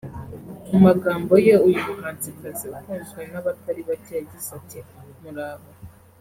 mu magambo ye uyu muhanzikazi ukunzwe n'abatari bake yagize ati “Muraho